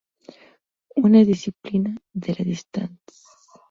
Une discipline de la distance.